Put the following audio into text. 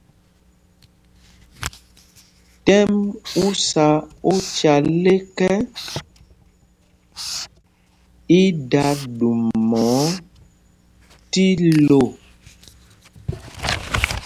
Tɛ̰m u sá ocal ekɛ, i da ɗuma ɔ tí lô.